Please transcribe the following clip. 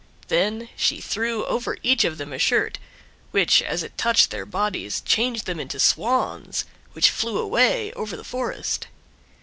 Then she threw over each of them a shirt, which as it touched their bodies changed them into Swans, which flew away over the forest.